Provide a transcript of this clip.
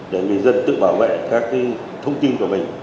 để người dân tự bảo vệ các thông tin của mình